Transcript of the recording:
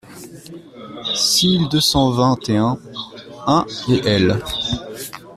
six mille deux cent vingt et un-un et L.